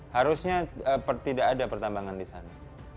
harusnya tidak ada pertambangan di sana